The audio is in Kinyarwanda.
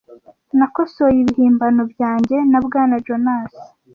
Nakosoye ibihimbano byanjye na Bwana Jones.